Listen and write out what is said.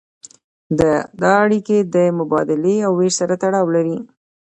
دا اړیکې د مبادلې او ویش سره تړاو لري.